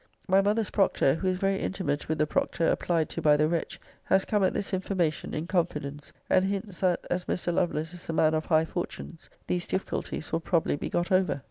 My mother's proctor, who is very intimate with the proctor applied to by the wretch, has come at this information in confidence; and hints, that, as Mr. Lovelace is a man of high fortunes, these difficulties will probably be got over.